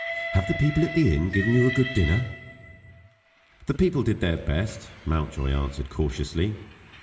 "Have the people at the inn given you a good dinner?" "The people did their best," Mountjoy answered cautiously.